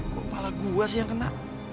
kok malah gua sih yang kena